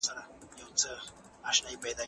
د خلکو کورونه د میکدو او ساقيانو له راج ډک و.